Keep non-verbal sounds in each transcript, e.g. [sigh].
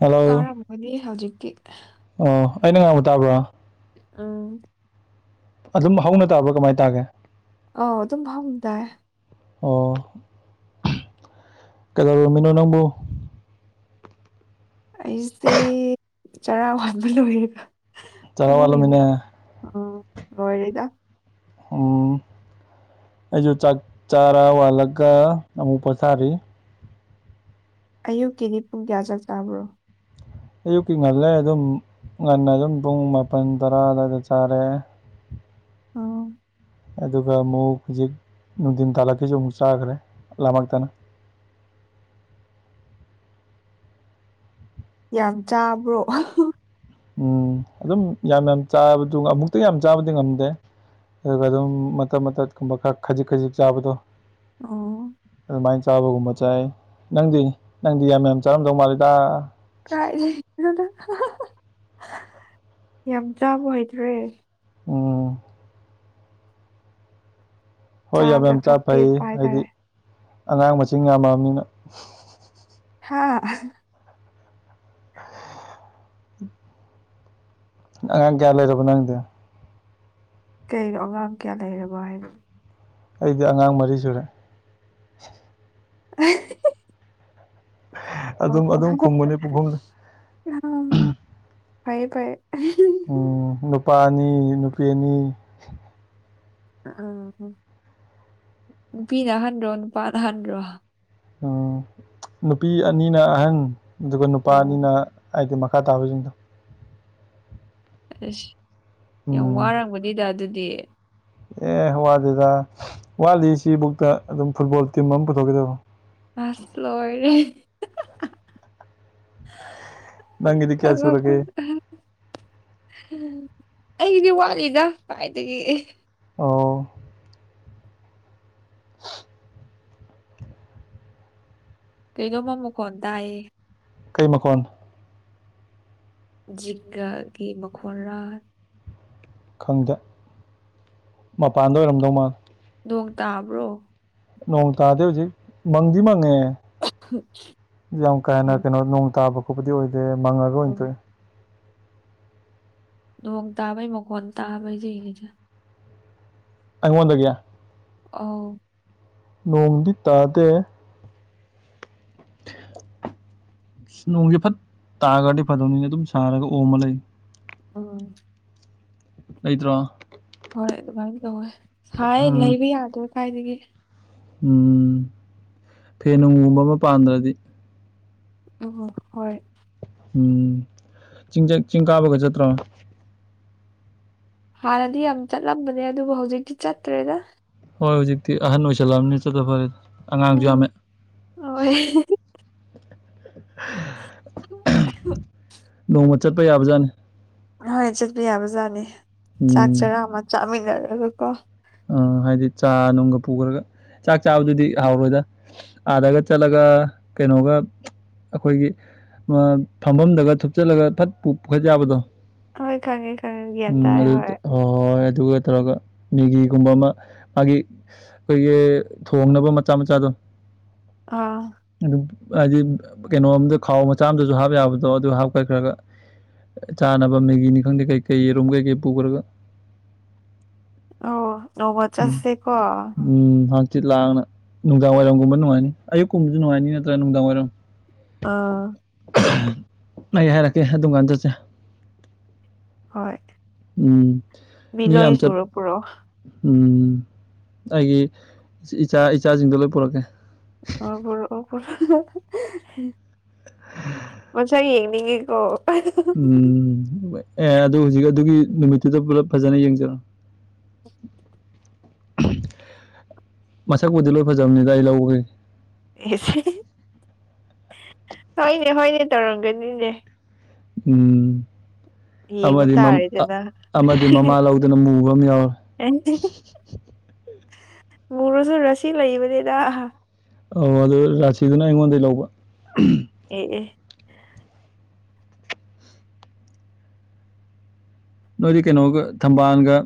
hello ꯀꯥꯔꯝꯒꯅꯤ ꯍꯧꯖꯤꯛꯀꯤ ꯑꯣ ꯑꯩꯅ ꯉꯥꯡꯕ ꯇꯥꯕ꯭ꯔꯥ ꯎꯝ ꯑꯗꯨꯝ ꯍꯧꯅ ꯇꯥꯕ꯭ꯔꯥ ꯀꯃꯥꯏ ꯇꯥꯒꯦ ꯑꯧ ꯑꯗꯨꯝ ꯍꯧꯅ ꯇꯥꯏ ꯑꯣ ꯀꯩꯗꯧꯔꯝꯃꯤꯅꯣ ꯅꯪꯕꯣ ꯑꯩꯁꯦ ꯆꯔꯥ ꯋꯥꯟꯕ ꯂꯣꯏꯔꯦꯕ ꯆꯔꯥ ꯐꯃꯝꯃꯤꯕ ꯋꯥꯠꯂꯝꯃꯤꯅꯦ ꯎꯝ ꯂꯣꯏꯔꯦꯗ ꯑꯣ ꯑꯩꯁꯨ ꯆꯥꯛ ꯆꯥꯔꯥ ꯋꯥꯜꯂꯒ ꯑꯃꯨꯛ ꯄꯣꯊꯥꯔꯤ ꯑꯌꯨꯛꯀꯤꯗꯤ ꯄꯨꯡ ꯀꯌꯥ ꯆꯥꯛ ꯆꯥꯕ꯭ꯔꯣ ꯑꯌꯨꯛꯀꯤ ꯉꯜꯂꯦ ꯑꯗꯨꯝ ꯉꯟꯅ ꯑꯗꯨꯝ ꯄꯨꯡ ꯃꯥꯄꯜ ꯇꯔꯥ ꯑꯗꯨꯋꯥꯏꯗ ꯆꯥꯔꯦ ꯑꯣ ꯑꯗꯨꯒ ꯑꯃꯨꯛ ꯍꯧꯖꯤꯛ ꯅꯨꯡꯊꯤꯟ ꯇꯥꯜꯂꯛꯈꯤꯁꯨ ꯑꯃꯨꯛ ꯆꯥꯈ꯭ꯔꯦ ꯄꯨꯛ ꯂꯥꯝꯃꯛꯇꯅ ꯌꯥꯝ ꯆꯥꯕ꯭ꯔꯣ ꯎꯝ ꯑꯗꯨꯝ ꯌꯥꯝ ꯌꯥꯝ ꯆꯥꯕꯗꯨꯒ ꯑꯃꯨꯛꯇ ꯌꯥꯝ ꯆꯥꯕꯗꯤ ꯉꯝꯗꯦ ꯑꯗꯨꯒ ꯑꯗꯨꯝ ꯃꯇꯠ ꯃꯇꯠ ꯀꯨꯝꯕ ꯈꯖꯤꯛ ꯈꯖꯤꯛ ꯆꯥꯕꯗꯣ ꯑꯣ ꯑꯗꯨꯃꯥꯏ ꯆꯥꯕꯒꯨꯝꯕ ꯆꯥꯏ ꯅꯪꯗꯤ ꯅꯪꯗꯤ ꯌꯥꯝ ꯃꯌꯥꯝ ꯆꯥꯔꯝꯗꯧ ꯃꯥꯜꯂꯤꯗ [inaudible] ꯌꯥꯝ ꯆꯥꯕ ꯑꯣꯏꯗ꯭ꯔꯦ ꯑꯣ ꯍꯣꯏ ꯌꯥꯝ ꯆꯥꯕꯗ ꯌꯥꯝ ꯆꯥ ꯈꯔ ꯐꯩ ꯄꯦꯠꯄ ꯍꯥꯏꯗꯤ ꯍꯥꯏꯇꯥꯔꯦ ꯑꯉꯥꯡ ꯃꯁꯤꯡ ꯌꯥꯝꯃꯛꯑꯕꯅꯤꯅ ꯍꯥꯥ ꯑꯉꯥꯡ ꯀꯌꯥ ꯂꯩꯔꯕ ꯅꯪꯗꯤ ꯀꯩꯅꯣ ꯑꯉꯥꯡ ꯀꯌꯥ ꯂꯩꯔꯕ ꯍꯥꯏꯅꯣ ꯑꯩꯗꯤ ꯑꯉꯥꯡ ꯃꯔꯤ ꯁꯨꯔꯦ [unintelligible] ꯑꯣ ꯑꯗꯨꯝ ꯑꯗꯨꯝ ꯈꯨꯝꯕꯅꯤ ꯄꯨꯈꯨꯝꯗ [inaudible] ꯐꯩꯌꯦ ꯐꯩꯌꯦ ꯎꯝ ꯅꯨꯄꯥ ꯑꯅꯤ ꯅꯨꯄꯤ ꯑꯅꯤ ꯑ ꯅꯨꯄꯤꯅ ꯑꯍꯟꯔꯣ ꯅꯨꯄꯥꯅ ꯑꯍꯟꯔꯣ ꯅꯨꯄꯤ ꯑꯅꯤꯅ ꯑꯍꯟ ꯑꯗꯨꯒ ꯅꯨꯄꯥ ꯑꯣ ꯑꯅꯤꯅ ꯍꯥꯏꯗꯤ ꯃ ꯈꯇꯥꯕꯗꯖꯤꯡꯗꯣ ꯑꯁ ꯌꯥꯝ ꯋꯥꯔꯝꯒꯅꯤꯗ ꯑꯗꯨꯗꯤ ꯑꯦ ꯋꯥꯠꯗꯦꯗ ꯋꯥꯠꯂꯤ ꯁꯤꯕꯨꯛꯇ ꯑꯗꯨꯝ ꯐꯨꯠꯕꯣꯜ ꯇꯤꯝ ꯑꯃ ꯄꯨꯊꯣꯛꯀꯤꯗꯧꯕ ꯑꯁ ꯂꯣꯏꯔꯦ ꯅꯪꯒꯤꯗꯤ ꯀꯌꯥ [inaudible] ꯁꯨꯔꯒꯦ ꯑꯩꯗꯤ ꯋꯥꯠꯂꯤꯗ ꯀꯥꯏꯗꯒꯤ ꯑꯣ [unintelligible] ꯀꯩꯅꯣꯝꯃ ꯃꯈꯣꯟ ꯇꯥꯏꯌꯦ ꯀꯩ ꯃꯈꯣꯟ ꯖꯤꯒꯥꯒꯤ ꯃꯈꯣꯟꯔꯥ ꯈꯪꯗꯦ ꯃꯄꯥꯟꯗ ꯑꯣꯏꯔꯝꯗꯧ ꯃꯥꯜꯂꯦ ꯅꯣꯡ ꯇꯥꯕ꯭ꯔꯣ ꯅꯣꯡ ꯇꯥꯗꯦ ꯍꯧꯖꯤꯛ ꯃꯪꯗꯤ ꯃꯪꯉꯦ ꯌꯥꯝ ꯀꯥ ꯍꯦꯟꯅ ꯎꯝ ꯀꯩꯅꯣ ꯅꯣꯡ ꯇꯥꯕ ꯈꯣꯠꯄꯗꯤ ꯑꯣꯏꯗꯦ ꯃꯪꯉꯒ ꯑꯣꯏꯅ ꯎꯝ ꯇꯣꯛꯑꯦ ꯅꯣꯡ ꯇꯥꯕꯩ ꯃꯈꯣꯟ ꯇꯥꯕ [inaudible] ꯑꯩꯉꯣꯟꯗꯒꯤ ꯑꯧ ꯅꯣꯡꯗꯤ ꯇꯥꯗꯦ [inaudible] ꯅꯣꯡꯁꯦ ꯐꯠ ꯇꯥꯈ꯭ꯔꯗꯤ ꯐꯗꯧꯅꯤꯅꯦ ꯑꯗꯨꯝ ꯁꯥꯔꯒ ꯑꯣꯃ ꯂꯩ ꯑ [unintelligible] ꯂꯩꯇ꯭ꯔꯣ ꯍꯣꯏ ꯑꯗꯨꯃꯥꯏꯅ ꯇꯧꯋꯦ ꯁꯥꯏꯌꯦ ꯎꯝ ꯂꯩꯕ ꯌꯥꯗ꯭ꯔꯦ ꯀꯥꯏꯗꯒꯤ ꯎꯝ ꯐꯦꯟ ꯅꯨꯡꯒꯨꯝꯕ ꯑꯃ ꯄꯥꯟꯗ꯭ꯔꯗꯤ ꯎ [unintelligible] ꯍꯣꯏ ꯎꯝ ꯆꯤꯡ ꯖ ꯆꯤꯡ ꯀꯥꯕꯒ ꯆꯠꯇ꯭ꯔꯣ ꯍꯥꯟꯅꯗꯤ ꯌꯥꯝ ꯆꯠꯂꯝꯕꯅꯦ ꯑꯗꯨꯕꯨ ꯍꯧꯖꯤꯛꯇꯤ ꯆꯠꯇ꯭ꯔꯦꯗ ꯍꯣꯏ ꯍꯧꯖꯤꯛꯇꯤ ꯑꯍꯟ ꯑꯣꯏꯁꯜꯂꯛꯑꯕꯅꯤꯅ ꯆꯠꯠ ꯇ [unintelligible] ꯐꯔꯦ [unintelligible] ꯌꯥꯝꯃꯦ ꯑ [unintelligible] ꯍꯣꯏ [inaudible] [inaudible] ꯅꯣꯡꯃ ꯆꯠꯄ ꯌꯥꯕꯖꯥꯠꯅꯤ ꯍꯣꯏ ꯆꯠꯄ ꯌꯥꯕ ꯖꯥꯠꯅꯤ ꯆꯥꯛ ꯎꯝ ꯆꯔꯥ ꯑꯃ ꯆꯥꯃꯤꯟꯅꯔꯒ ꯀꯣ ꯎꯝ ꯍꯥꯏꯗꯤ ꯆꯥ ꯅꯨꯡꯒ ꯄꯨꯈ꯭ꯔꯒ ꯆꯥꯛ ꯆꯥꯕꯗꯨꯗꯤ ꯍꯥꯎꯔꯣꯏꯗ ꯑꯥꯗꯒ ꯆꯠꯂꯒ ꯀꯩꯅꯣꯒ ꯑꯩꯈꯣꯏꯒꯤ ꯐꯝꯐꯝꯗꯒ ꯊꯨꯞꯆꯠꯂꯒ ꯐꯠ ꯄꯨꯈꯠ ꯌꯥꯕꯗꯣ ꯍꯣꯏ ꯈꯪꯉꯦ ꯈꯪꯉꯦ ꯒ꯭ꯌꯥꯟ ꯎꯝ ꯇꯥꯏ ꯑꯗꯨ ꯍꯣꯏ ꯍꯣꯏ ꯑꯗꯨꯒ ꯇꯧꯔꯒ ꯃꯤꯒꯤ ꯒꯨꯝꯕ ꯑꯃ ꯃꯥꯒꯤ ꯑꯩꯈꯣꯏꯒꯤ ꯊꯣꯡꯅꯕ ꯃꯆꯥ ꯃꯆꯥꯗꯣ ꯑꯥ ꯑꯗꯨꯝ ꯍꯥꯏꯗꯤ ꯀꯩꯅꯣꯝꯗ ꯈꯥꯎ ꯃꯆꯥ ꯑꯝꯗꯁꯨ ꯍꯥꯞꯄ ꯌꯥꯕꯗꯣ ꯑꯗꯨ ꯍꯥꯞꯀꯠꯈ꯭ꯔꯒ ꯆꯥꯅꯕ ꯃꯦꯒꯤꯅꯤ ꯈꯪꯗꯦ ꯀꯩ ꯀꯩ ꯌꯦꯔꯨꯝ ꯀꯩꯀꯩ ꯄꯨꯈ꯭ꯔꯒ ꯑꯧ ꯅꯣꯡꯃ ꯎꯝ ꯆꯠꯁꯦ ꯀꯣ ꯎꯝ ꯍꯥꯡꯆꯤꯠ ꯂꯥꯡꯅ ꯅꯨꯡꯗꯥꯡ ꯋꯥꯏꯔꯝꯒꯨꯝꯕ ꯅꯨꯡꯉꯥꯏꯅꯤ ꯑꯌꯀꯨꯝꯕꯁꯨ ꯅꯨꯡꯉꯥꯏꯅꯤ ꯅꯠꯇ꯭ꯔꯥ ꯅꯨꯡꯗꯥꯡ ꯋꯥꯏꯔꯝ ꯑꯥ ꯑꯩ ꯍꯥꯏꯔꯛꯀꯦ ꯑꯗꯨꯝ ꯀꯥꯟ ꯆꯠꯁꯦ ꯍꯣꯏ ꯎꯝ ꯃꯤ ꯃꯤꯂꯣꯏ ꯌꯥꯝ ꯆꯠ ꯁꯨꯔ ꯄꯨꯔꯛꯑꯣ ꯎꯝ ꯑꯩꯒꯤ ꯏꯆꯥ ꯏꯆꯥꯁꯤꯡꯗ ꯂꯣꯏ ꯄꯨꯔꯛꯀꯦ ꯑꯣ ꯄꯨꯔꯛꯑꯣ ꯄꯨꯔꯛꯑꯣ ꯃꯁꯛ ꯌꯦꯡꯅꯤꯡꯉꯤꯀꯣ ꯎꯝ ꯑꯦ ꯑꯗꯨ ꯍꯧꯖꯤꯛ ꯑꯗꯨꯒꯤ ꯅꯨꯃꯤꯠꯇꯨꯗ ꯄꯨꯂꯞ ꯐꯖꯅ ꯌꯦꯡꯖꯔꯣ ꯃꯁꯛꯄꯨꯗꯤ ꯂꯣꯏ ꯐꯖꯕꯅꯤꯗ ꯑꯩ ꯂꯧꯕꯒꯤ ꯍꯣꯏꯅꯦ ꯍꯣꯏꯅꯦ ꯇꯧꯔꯝꯒꯅꯤꯅꯦ ꯎꯝ ꯌꯦꯡꯕ ꯑꯃꯗꯤ ꯃꯝ ꯇꯥꯔꯦꯗꯅ ꯑꯃꯗꯤ ꯃꯃꯥ ꯂꯧꯗꯅ ꯃꯨꯕ ꯑꯃ ꯌꯥꯎꯔꯦ ꯃꯨꯔꯁꯨ ꯔꯁꯤ ꯂꯩꯕꯅꯤꯗ ꯑꯧ ꯑꯗꯨ ꯔꯥꯁꯤꯗꯨꯅ ꯑꯩꯉꯣꯟꯗꯩ ꯂꯧꯕ ꯑꯦ ꯑꯦ ꯅꯣꯏꯗꯤ ꯀꯩꯅꯣꯒ ꯊꯝꯕꯥꯜꯒ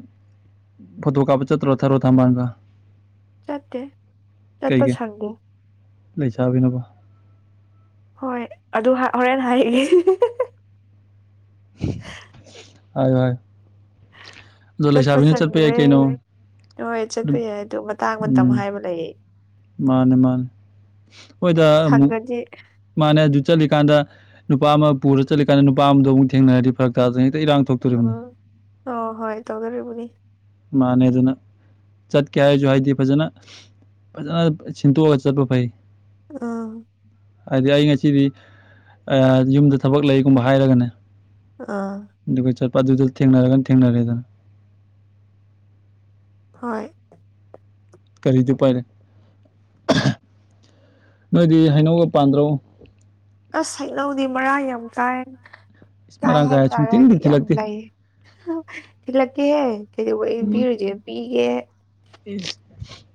ꯐꯣꯇꯣ ꯀꯥꯞꯄ ꯆꯠꯇ꯭ꯔꯣ ꯊꯔꯣ ꯊꯝꯕꯥꯜꯒ ꯆꯠꯇꯦ ꯆꯠꯄ ꯀꯩꯒ ꯁꯪꯗꯦ ꯂꯩꯁꯥꯕꯤꯅꯕꯣ ꯍꯣꯏ ꯑꯗꯨ ꯍꯥ ꯍꯣꯔꯦꯟ ꯍꯥꯏꯒꯦ ꯍꯥꯏꯌꯨ ꯍꯥꯏꯌꯨ ꯑꯗꯣ ꯆꯠꯄ ꯂꯩꯁꯥꯕꯤꯅ ꯌꯥꯏ ꯁꯪꯗ꯭ꯔꯦ ꯀꯩꯅꯣ ꯍꯣꯏ ꯆꯠꯄ ꯑꯗꯨꯝ ꯌꯥꯏ ꯑꯗꯨ ꯃꯇꯥꯡ ꯃꯇꯝ ꯍꯥꯏꯕ ꯂꯩꯌꯦ ꯃꯥꯅꯤ ꯃꯥꯅꯤ ꯍꯣꯏꯗ ꯑꯃꯨꯛ ꯗꯤ ꯃꯥꯅꯦ ꯑꯗꯨ ꯆꯠꯂꯤꯀꯥꯟꯗ ꯅꯨꯄꯥ ꯑꯃ ꯄꯨꯔ ꯆꯠꯂꯤꯀꯥꯟꯗ ꯅꯨꯄꯥ ꯑꯝꯗꯣ ꯑꯃꯨꯛ ꯊꯦꯡꯅꯔꯗꯤ ꯐꯔꯛ ꯇꯥꯗꯅ ꯍꯦꯛꯇ ꯏꯔꯥꯡ ꯊꯣꯛ ꯑ ꯍꯣꯏ ꯍꯣꯏ ꯇꯧꯗꯧꯔꯤꯕꯅꯤ ꯃꯥꯅꯦ ꯑꯗꯨꯅ ꯆꯠꯀꯦ ꯍꯥꯏꯁꯨ ꯍꯥꯏꯗꯤ ꯐꯖꯅ ꯐꯖꯅ ꯁꯤꯟꯇꯣꯛꯑꯒ ꯆꯠꯄ ꯐꯩ ꯑ ꯍꯥꯏꯗꯤ ꯑꯩ ꯉꯁꯤꯗꯤ ꯑ ꯌꯨꯝꯗ ꯊꯕꯛ ꯂꯩꯒꯨꯝꯕ ꯍꯥꯏꯔꯒꯅꯦ ꯑꯥ ꯑꯗꯨꯒ ꯆꯠꯄ ꯑꯗꯨꯗ ꯊꯦꯡꯅꯔꯒꯅ ꯊꯦꯡꯅꯔꯦꯗꯅ ꯍꯣꯏ ꯀꯔꯤꯗꯤ ꯎꯄꯥꯏ ꯂꯩ ꯅꯣꯏꯗꯤ ꯍꯩꯅꯧꯒ ꯄꯥꯟꯗ꯭ꯔꯣ ꯑꯁ ꯍꯩꯅꯧꯗꯤ ꯃꯔꯥꯡ ꯌꯥꯝ ꯀꯥꯏ ꯏꯁ ꯃꯔꯥꯡ ꯀꯥꯏ ꯍꯥꯏꯇꯥꯔꯦ ꯍꯥꯏꯗꯤ ꯁꯨꯡꯊꯤꯟꯗꯤ ꯌꯥꯝ ꯊꯤꯜꯂꯛꯇꯦ ꯂꯩ ꯊꯤꯜꯂꯛꯀꯦꯍꯦ ꯀꯩꯗꯧꯕꯩ ꯄꯤꯔꯣꯏꯗꯣꯏꯅꯣ ꯄꯤꯒꯦ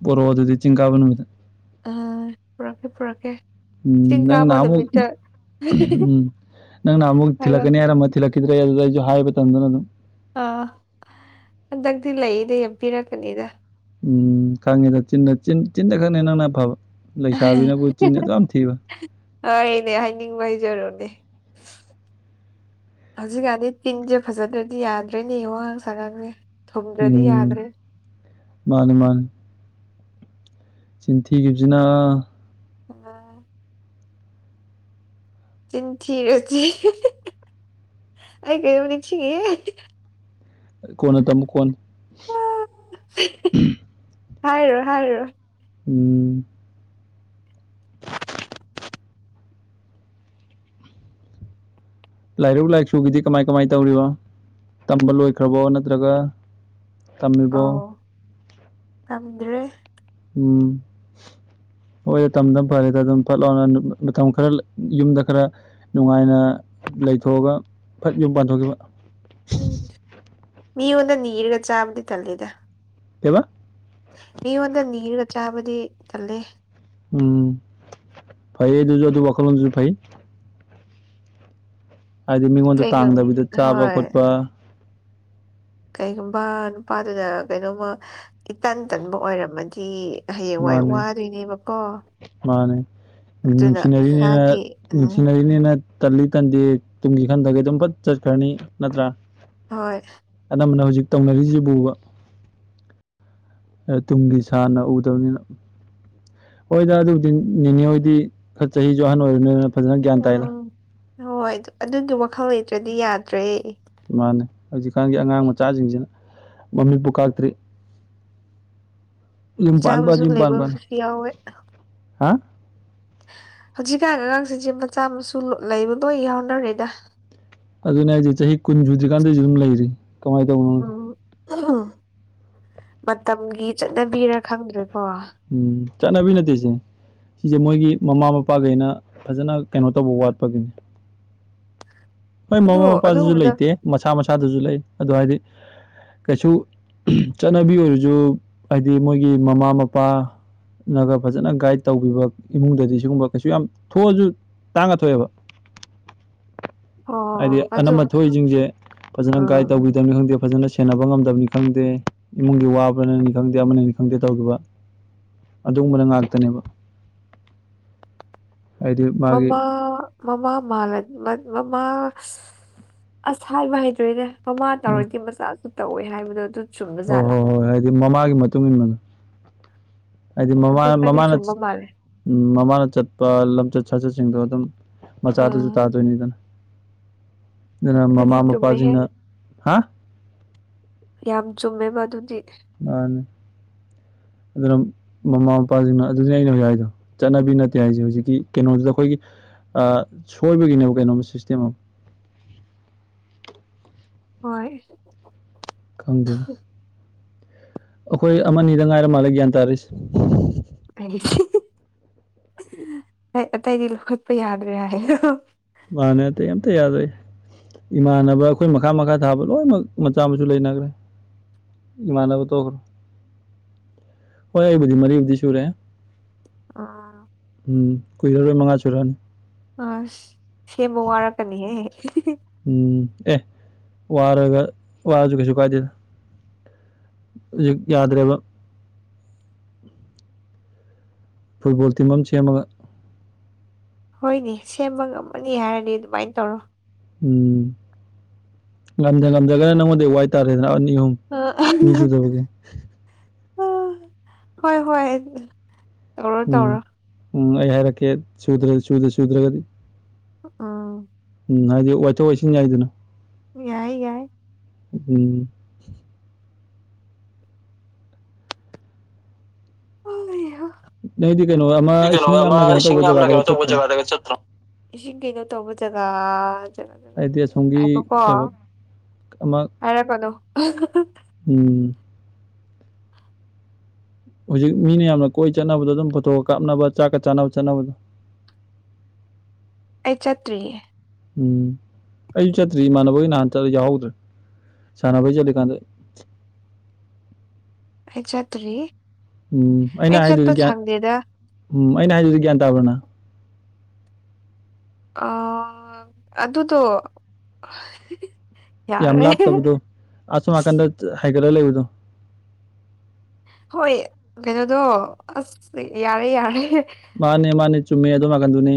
ꯄꯔꯣꯑꯣ ꯑꯗꯨꯗꯤ ꯆꯤꯡꯀꯥꯕ ꯅꯨꯃꯤꯠꯇ ꯑ ꯄꯨꯔꯛꯀꯦ ꯄꯨꯔꯛꯀꯦ ꯆꯤꯡ ꯎꯝ ꯅꯪ ꯀꯥꯕ ꯅꯍꯥꯟꯃꯨꯛ ꯅꯨꯃꯤꯠꯇ ꯎꯝ ꯅꯪ ꯅꯍꯥꯃꯨꯛ ꯍꯥꯏꯔꯣ ꯊꯤꯜꯂꯛꯀꯅꯤ ꯍꯥꯏꯔꯝꯃ ꯊꯤꯂꯛꯈꯤꯗ꯭ꯔꯦ ꯑꯗꯨꯗ ꯑꯩꯁꯨ ꯍꯥꯏꯕ ꯇꯟꯗꯅ ꯑꯗꯨꯝ ꯑꯥ ꯍꯟꯗꯛꯇꯤ ꯂꯩꯗꯤ ꯄꯤꯔꯛꯀꯅꯤꯗ ꯎꯝ ꯈꯪꯉꯦꯗ ꯆꯤꯟꯗ ꯆꯤꯟ ꯆꯤꯟꯗ ꯈꯛꯅꯦ ꯅꯪꯅ ꯐꯕ ꯂꯩꯁꯥꯕꯤꯅꯕꯨ ꯆꯤꯟ ꯑꯗꯨ ꯌꯥꯝ ꯊꯤꯕ ꯍꯣꯏꯅꯦ ꯍꯥꯏꯅꯤꯡꯕ ꯍꯥꯏꯖꯔꯨꯅꯦ ꯍꯧꯖꯤꯛꯀꯥꯟꯗꯤ ꯇꯤꯟꯁꯦ ꯐꯖꯗ꯭ꯔꯗꯤ ꯌꯥꯗ꯭ꯔꯦꯅꯦ ꯋꯥꯉꯥꯡ ꯁꯉꯥꯡꯅꯦ ꯎꯝ ꯃꯥꯅꯤ ꯃꯥꯥꯅꯤ ꯆꯤꯟꯊꯤꯈꯤꯕꯞꯖꯤꯅ ꯎꯝ ꯆꯤꯟ ꯊꯤꯔꯗꯤ ꯑꯩ ꯀꯩꯗꯧꯅꯤ ꯊꯤꯉꯦ ꯀꯣꯟꯅ ꯇꯝꯃꯨ ꯀꯣꯟꯅ ꯍꯥꯏꯔꯣ ꯍꯥꯏꯔꯣ ꯎꯝ ꯂꯥꯏꯔꯨꯛ ꯂꯥꯏꯁꯨꯒꯤꯗꯤ ꯀꯃꯥꯏ ꯀꯃꯥꯏꯅ ꯇꯧꯔꯤꯕ ꯇꯝꯕ ꯂꯣꯏꯈ꯭ꯔꯕꯣ ꯅꯠꯇ꯭ꯔꯒ ꯑꯥꯎ ꯇꯝꯃꯤꯕꯣ ꯇꯝꯗ꯭ꯔꯦ ꯎꯝ ꯍꯣꯏꯗ ꯇꯝꯗꯕꯅ ꯐꯔꯦꯗ ꯑꯗꯨꯝ ꯐꯠ ꯂꯥꯎꯅ ꯅꯨꯞ ꯃꯇꯝ ꯈꯔ ꯌꯨꯝꯗ ꯈꯔ ꯅꯨꯡꯉꯥꯏꯅ ꯂꯩꯊꯣꯛꯑꯒ ꯐꯠ ꯌꯨꯝ ꯄꯥꯟꯊꯣꯛꯈꯤꯕ ꯎꯝ ꯃꯤꯉꯣꯟꯗ ꯅꯤꯔꯒ ꯆꯥꯕꯗꯤ ꯊꯜꯂꯤꯗ ꯀꯩꯕ ꯃꯤꯉꯣꯟꯗ ꯅꯤꯔꯒ ꯆꯥꯕꯗꯤ ꯇꯜꯂꯦ ꯎꯝ ꯐꯥꯏꯑꯗꯨꯖꯨ ꯑꯗꯨ ꯋꯥꯈꯜꯂꯣꯟꯗꯨꯖ ꯐꯩ ꯍꯥꯏꯗꯤ ꯃꯤꯉꯣꯟꯗ ꯀꯩꯒꯨꯝ ꯇꯥꯡꯗꯕꯤꯗ ꯆꯥꯕ ꯍꯣꯏ ꯈꯣꯠꯄ ꯀꯩꯒꯨꯝꯕ ꯅꯨꯄꯥꯗꯨꯅ ꯀꯩꯅꯣꯃ ꯏꯇꯟ ꯇꯟꯕ ꯑꯣꯏꯔꯝꯃꯗꯤ ꯍꯌꯦꯡꯋꯥꯏ ꯃꯥꯅꯦ ꯋꯥꯗꯣꯏꯅꯦꯕꯀꯣ ꯗꯝ ꯑꯗꯨꯅ ꯅꯨꯡꯁꯤꯅꯔꯤꯅꯦꯅ ꯏꯁꯥꯒꯤ ꯎꯝ ꯅꯨꯡꯁꯤꯅꯔꯤꯅꯦꯅ ꯇꯂꯤ ꯇꯟꯗꯦ ꯇꯨꯡꯒꯤ ꯈꯟꯗꯒ ꯑꯗꯨꯝ ꯐꯠ ꯆꯠꯈ꯭ꯔꯅꯤ ꯅꯠꯇ꯭ꯔꯥ ꯍꯣꯏ ꯑꯅꯝꯕꯅ ꯍꯧꯖꯤꯛ ꯇꯧꯅꯔꯤꯁꯤꯕꯨꯕ ꯑ ꯇꯨꯡꯒꯤ ꯁꯥꯟꯅ ꯎꯗꯕꯅꯤꯅ ꯍꯣꯏꯗ ꯑꯗꯨꯕꯨꯗꯤ ꯅꯤꯅꯦ ꯍꯣꯏꯗꯤ ꯈꯔ ꯆꯍꯤꯁꯨ ꯑꯍꯟ ꯑꯣꯏꯔꯕꯅꯤꯅ ꯐꯖꯅ ꯒ꯭ꯌꯥꯟ ꯇꯥꯏꯗ ꯎꯝ ꯍꯣꯏ ꯑꯗꯨꯒꯤ ꯋꯥꯈꯜ ꯂꯩꯇ꯭ꯔꯗꯤ ꯌꯥꯗ꯭ꯔꯦ ꯃꯥꯅꯦ ꯍꯧꯖꯤꯛꯀꯥꯟꯒꯤ ꯑꯉꯥꯡ ꯃꯆꯥꯁꯤꯡꯁꯤꯅ ꯃꯃꯤꯠꯄꯨ ꯀꯥꯛꯇ꯭ꯔꯤ [inaudible] ꯄꯥꯟꯕ ꯏꯆꯥꯕꯁꯨ ꯌꯨꯝ ꯄꯥꯟꯕꯅ ꯂꯩꯕꯕꯁꯨ ꯌꯥꯎꯋꯦ ꯍꯥ ꯍꯧꯖꯤꯛꯀꯥꯟ ꯑꯉꯥꯡꯁꯤꯡꯁꯦ ꯃꯆꯥ ꯃꯁꯨ ꯂꯩꯕ ꯂꯣꯏ ꯌꯥꯎꯅꯔꯦꯗ ꯑꯗꯨꯅꯦ ꯍꯥꯏꯁꯦ ꯆꯍꯤ ꯀꯨꯟ ꯁꯨꯗ꯭ꯔꯤꯀꯥꯟꯗꯩꯁꯨ ꯑꯗꯨꯝ ꯂꯩꯔꯤ ꯀꯃꯥꯏꯅ ꯇꯧꯕꯅꯣ ꯈꯪꯗꯦ ꯎꯝ ꯃꯇꯝꯒꯤ ꯆꯠꯅꯕꯤꯔ ꯈꯪꯗ꯭ꯔꯦꯀꯣ ꯎꯝ ꯆꯠꯅꯕꯤ ꯅꯠꯇꯦ ꯁꯤ ꯁꯤꯁꯦ ꯃꯣꯏꯒꯤ ꯃꯃꯥ ꯃꯄꯥꯈꯩꯅ ꯐꯖꯅ ꯀꯩꯅꯣ ꯇꯧꯕ ꯋꯥꯠꯄꯒꯤꯅꯤ ꯍꯣꯏ ꯑꯗꯨ ꯃꯃꯥ ꯃꯄꯥꯗꯨꯁꯨ ꯑꯗꯨꯒꯨꯝꯕꯗꯣ ꯂꯩꯇꯦ ꯃꯁꯥ ꯃꯁꯥꯗꯨꯁꯨ ꯂꯩ ꯑꯗꯣ ꯍꯥꯏꯗꯤ ꯀꯩꯁꯨ ꯆꯠꯅꯕꯤ ꯑꯣꯏꯔꯁꯨ ꯍꯥꯏꯗꯤ ꯃꯣꯏꯒꯤ ꯃꯃꯥ ꯃꯄꯥ ꯅꯒ ꯐꯖꯅ ꯒꯥꯏꯗ ꯇꯧꯕꯤꯕ ꯏꯃꯨꯡꯗꯗꯤ ꯁꯤꯒꯨꯝꯕ ꯀꯩꯁꯨ ꯌꯥꯝ ꯊꯣꯛꯑꯁꯨ ꯇꯥꯡꯅ ꯊꯣꯛꯑꯦꯕ ꯍꯣꯏ ꯍꯣꯏ ꯍꯥꯏꯗꯤ ꯍꯣꯏ ꯑꯗꯨ ꯑꯅꯝꯕ ꯊꯣꯛꯏꯁꯤꯡꯁꯦ ꯐꯖꯅ ꯑꯥ ꯒꯥꯏꯗ ꯇꯧꯕꯤꯗꯕꯅꯤ ꯈꯪꯗꯦ ꯐꯖꯅ ꯁꯦꯟꯅꯕ ꯉꯝꯗꯕꯅꯤ ꯈꯪꯗꯦ ꯏꯃꯨꯡꯒꯤ ꯋꯥꯕꯅꯅꯤ ꯈꯪꯗꯦ ꯑꯃꯅꯅꯤ ꯈꯪꯗꯦ ꯇꯧꯈꯤꯕ ꯑꯗꯨꯒꯨꯝꯕꯅ ꯉꯥꯛꯇꯅꯦꯕ ꯍꯥꯏꯗꯤ ꯃꯥꯒꯤ ꯑꯃ ꯃꯃꯥ ꯃꯥꯜ ꯃꯃꯥ ꯑꯁ ꯍꯥꯏꯕ ꯍꯩꯇ꯭ꯔꯦꯅꯦ ꯃꯃꯥ ꯎꯝ ꯇꯧꯔꯗꯤ ꯃꯆꯥꯁꯨ ꯇꯧꯋꯦ ꯍꯥꯏꯕꯗꯣ ꯑꯗꯨ ꯆꯨꯝꯕ ꯍꯣꯏ ꯖꯥꯠꯂꯥ ꯍꯣꯏ ꯍꯣꯏ ꯍꯥꯏꯗꯤ ꯃꯃꯥꯒꯤ ꯃꯇꯨꯡ ꯏꯟꯅ ꯍꯥꯏꯗꯤ ꯑꯗꯨ ꯃꯃꯥ ꯈꯔꯗꯤ ꯃꯃꯥꯅ ꯆꯨꯝꯕ ꯃꯥꯜꯂꯦ ꯎꯝ ꯃꯃꯥꯅ ꯆꯠꯄ ꯂꯝꯆꯠ ꯁꯥꯖꯠꯁꯤꯡꯗꯣ ꯑꯗꯨꯝ ꯃꯆꯥꯗꯨꯁꯨ ꯑꯥ ꯇꯥꯗꯣꯏꯅꯤꯗꯅ ꯑꯗꯨꯅ ꯃꯃꯥ ꯑꯗꯨꯗꯤ ꯆꯨꯝꯃꯦꯍꯦ ꯃꯄꯥꯁꯤꯡꯅ ꯍꯥ ꯌꯥꯝ ꯆꯨꯝꯃꯦꯕ ꯑꯗꯨꯗꯤ ꯃꯥꯅꯦ ꯑꯗꯨꯅ ꯃꯃꯥ ꯃꯄꯥꯁꯤꯡꯅ ꯑꯗꯨꯅꯦ ꯑꯩꯅ ꯍꯧꯖꯤꯛ ꯍꯥꯏꯗꯣ ꯆꯠꯅꯕꯤ ꯅꯠꯇꯦ ꯍꯥꯏꯁꯦ ꯍꯧꯖꯤꯛꯀꯤ ꯀꯩꯅꯣꯗꯨꯗ ꯑꯩꯈꯣꯏꯒꯤ ꯑ ꯁꯣꯏꯕꯒꯤꯅꯦꯕ ꯀꯩꯅꯣꯝꯃ ꯁꯤꯁꯇꯦꯝ ꯑꯃ ꯍꯣꯏ ꯈꯪꯗꯦꯗ ꯑꯩꯈꯣꯏ ꯑꯃꯅꯤꯗ ꯉꯥꯏꯔ ꯃꯥꯜꯂꯦ ꯒ꯭ꯌꯥꯟ ꯇꯥꯔꯤꯁꯦ ꯑꯩ ꯑꯩ ꯑꯇꯩꯗꯤ ꯂꯧꯈꯠꯄ ꯌꯥꯗ꯭ꯔꯦ ꯍꯥꯏꯔꯣ ꯃꯥꯅꯦ ꯑꯇꯩ ꯑꯝꯇ ꯌꯥꯗ꯭ꯔꯦ ꯏꯃꯥꯟꯅꯕ ꯑꯩꯈꯣꯏ ꯃꯈꯥ ꯃꯈꯥ ꯊꯥꯕ ꯂꯣꯏꯅꯃꯛ ꯃꯆꯥ ꯃꯁꯨ ꯂꯩꯅꯈ꯭ꯔꯦ ꯏꯃꯥꯟꯅꯕ ꯇꯣꯛꯈ꯭ꯔꯣ ꯍꯣꯏ ꯑꯩꯕꯨꯗꯤ ꯃꯔꯤꯕꯨꯗꯤ ꯁꯨꯔꯦ ꯑꯥ ꯎꯝ ꯀꯨꯏꯔꯛꯑꯔꯣꯏ ꯃꯉꯥ ꯁꯨꯨꯔꯛꯑꯅꯤ ꯑꯁ ꯁꯦꯝꯕ ꯋꯥꯔꯛꯀꯅꯤꯍꯦ ꯎꯝ ꯑꯦ ꯋꯥꯔꯒ ꯋꯥꯔꯁꯨ ꯀꯩꯁꯨ ꯀꯥꯏꯗꯦꯗ ꯍꯧꯖꯤꯛ ꯌꯥꯗ꯭ꯔꯦꯕ ꯐꯨꯠꯕꯣꯜ ꯇꯤꯝ ꯑꯃ ꯁꯦꯝꯃꯒ ꯍꯣꯏꯅꯦ ꯁꯦꯝꯕ ꯉꯝꯃꯅꯤ ꯍꯥꯏꯔꯗꯤ ꯑꯗꯨꯃꯥꯏꯅ ꯇꯧꯔꯣ ꯎꯝ ꯉꯝꯗ ꯉꯝꯗ꯭ꯔꯒꯅ ꯅꯪꯉꯣꯟꯗꯩ ꯋꯥꯏ ꯇꯥꯔꯦꯗꯅ ꯑꯅꯤ ꯑꯍꯨꯝ ꯃꯤ ꯑ ꯁꯨꯗꯕꯒꯤ ꯍꯣꯏ ꯍꯣꯏ ꯇꯧꯔꯣ ꯎꯝ ꯇꯧꯔꯣ ꯎꯝ ꯑꯩ ꯍꯥꯏꯔꯛꯀꯦ ꯁꯨꯗ꯭ꯔ ꯁꯨꯗ ꯁꯨꯗ꯭ꯔꯒꯗꯤ ꯎꯝ ꯎꯝ ꯍꯥꯏꯗꯤ ꯋꯥꯏꯊꯣꯛ ꯋꯥꯏꯁꯤꯟ ꯌꯥꯏꯗꯅ ꯌꯥꯏ ꯌꯥꯏ ꯎꯝ ꯑꯩꯍꯥ ꯅꯣꯏꯗꯤ ꯀꯩꯅꯣ ꯁꯤ ꯑꯃ ꯀꯩꯅꯣ ꯏꯁꯤꯡ ꯑꯃ ꯌꯥꯝꯅ ꯀꯩꯅꯣ ꯏꯁꯤꯡ ꯇꯧꯕ ꯌꯥꯝꯅ ꯖꯒꯥꯗꯒ ꯀꯩꯅꯣ ꯇꯧꯕ ꯆꯠꯇ꯭ꯔꯣ ꯖꯒꯥꯗꯒ ꯆꯠꯇ꯭ꯔꯣ ꯏꯁꯤꯡ ꯀꯩꯅꯣ ꯇꯧꯕ ꯖꯒꯥ ꯍꯥꯏꯗꯤ ꯑꯁꯣꯝꯒꯤ ꯀꯩꯕ ꯉꯥꯏꯈꫭꯀꫭ ꯑꯃ ꯍꯥꯏꯔꯛꯀꯅꯨ ꯎꯝ ꯍꯧꯖꯤꯛ ꯃꯤꯅ ꯌꯥꯝꯅ ꯀꯣꯏ ꯆꯠꯅꯕꯗꯣ ꯑꯗꯨꯝ ꯐꯣꯇꯣꯒ ꯀꯥꯞꯅꯕ ꯆꯥꯛꯀ ꯆꯥꯅꯕ ꯆꯠꯅꯕꯗꯣ ꯑꯩ ꯆꯠꯇ꯭ꯔꯤꯌꯦ ꯎꯝ ꯑꯩꯁꯨ ꯆꯠꯇ꯭ꯔꯤ ꯏꯃꯥꯟꯅꯕꯣꯏ ꯅꯍꯥꯟ ꯆꯠꯂꯦ ꯌꯥꯎꯍꯧꯗ꯭ꯔꯦ ꯁꯥꯟꯅꯕꯩ ꯆꯠꯂꯤꯀꯥꯟꯗ ꯑꯩ ꯆꯠꯗꯔꯤ ꯎꯝ ꯑꯩꯅ ꯍꯥꯏꯗꯨꯗꯤ ꯒ꯭ꯌꯥꯟ ꯎꯝ ꯑꯩꯅ ꯍꯥꯏꯗꯨꯗꯤ ꯒ꯭ꯌꯥꯟ ꯇꯥꯕ꯭ꯔ ꯅꯪ ꯑꯥ ꯑꯗꯨꯗꯣ ꯌꯥꯝ ꯌꯥꯔꯦ ꯂꯥꯞꯇꯕꯗꯣ ꯑꯁꯣꯝ ꯅꯥꯀꯟꯗ ꯍꯥꯏꯒꯠꯂ ꯂꯩꯕꯗꯣ ꯍꯣꯏ ꯀꯩꯅꯣꯗꯣ ꯑꯁ ꯌꯥꯔꯦ ꯌꯥꯔꯦ ꯃꯥꯅꯦ ꯃꯥꯅꯦ ꯆꯨꯝꯃꯦ ꯑꯗꫭꯝ ꯅꯥꯀꯟꯗꯨꯅꯤ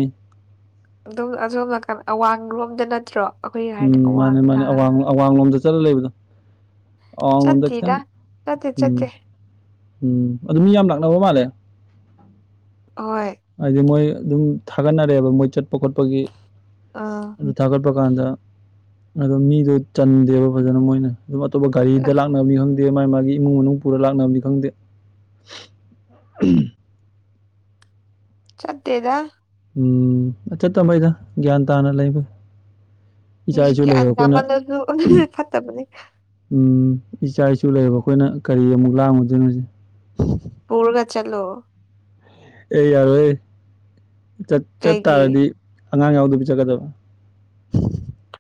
ꯑꯗꯨꯝ ꯑꯁꯣꯝ ꯅꯥꯀꯟ ꯑꯋꯥꯡ ꯔꯣꯝꯗ ꯅꯠꯇ꯭ꯔꯣ ꯑꯩꯈꯣꯏꯒꯤ ꯍꯥꯏꯔꯗꯤ ꯎꯝ ꯑꯋꯥꯡ ꯃꯥꯅꯦ ꯃꯥꯅꯦ ꯇꯥꯔꯦ ꯑꯋꯥꯡ ꯑꯋꯥꯡꯂꯣꯝꯗ ꯆꯠꯂ ꯂꯩꯕꯗꯣ ꯑꯋꯥꯡꯂꯣꯝꯗ ꯆꯠꯇꯦꯗ ꯈꯤꯇꯪ ꯆꯠꯇꯦ ꯆꯠꯇꯦ ꯎꯝ ꯎꯝ ꯑꯗꯨ ꯃꯤ ꯌꯥꯝ ꯂꯥꯛꯅꯕ ꯃꯥꯜꯂꯦ ꯑꯍꯣꯏ ꯍꯥꯏꯗꯤ ꯃꯣꯏ ꯑꯗꯨꯝ ꯊꯥꯒꯠꯅꯔꯦꯕ ꯃꯣꯏ ꯆꯠꯄ ꯈꯣꯠꯄꯒꯤ ꯑꯥ ꯑꯗꯨ ꯊꯥꯒꯠꯄ ꯀꯥꯟꯗ ꯑꯗꯣ ꯃꯤꯗꯣ ꯆꯟꯗꯦꯕ ꯐꯖꯅ ꯃꯣꯏꯅ ꯑꯗꯨꯝ ꯑꯇꯞꯄ ꯒꯥꯔꯤꯝꯗ ꯑꯁ ꯂꯥꯛꯅꯕꯅꯤ ꯈꯪꯗ ꯗꯦ ꯃꯥꯒꯤ ꯃꯥꯒꯤ ꯏꯃꯨꯡ ꯃꯅꯨꯡ ꯄꯨꯔ ꯂꯥꯛꯅꯕꯅꯤ ꯈꯪꯗꯦ ꯆꯠꯇꯦꯗ ꯎꯝ ꯆꯠꯇꯝ ꯐꯩꯗ ꯒ꯭ꯌꯥꯟ ꯇꯥꯅ ꯂꯩꯅ ꯐꯩ ꯃꯤꯖꯦ ꯒ꯭ꯌꯥꯟ ꯇꯥꯃꯟꯗ꯭ꯔꯖꯨ ꯑꯗꯨꯁꯨ ꯐꯠꯇꯕꯅꯤ ꯎꯝ ꯏꯆꯥ ꯏꯁꯨ ꯂꯩꯔꯕ ꯑꯈꯣꯏꯅ ꯀꯔꯤ ꯑꯃꯨꯛ ꯂꯥꯡꯉꯨꯗꯣꯏꯅꯣ‌ ꯍꯧꯖꯤꯛ ꯄꯨꯔꯒ ꯆꯠꯂꯣ ꯑꯦ ꯌꯥꯔꯣꯏꯍꯦ ꯆꯠ ꯀꯩꯒꯤ ꯆꯠꯇꯥꯥꯔꯗꯤ ꯑꯉꯥꯡ ꯌꯥꯎꯗꯕꯤ ꯆꯠꯀꯗꯕ